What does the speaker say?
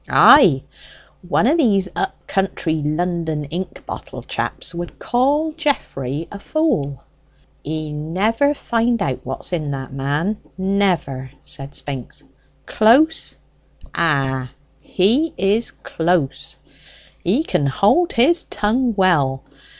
"Ay; one o' these up country London ink bottle chaps would call Geoffrey a fool." "Ye never find out what's in that man: never," said Spinks. "Close? ah, he is close! He can hold his tongue well.